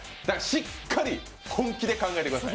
しっかり本気で考えてください。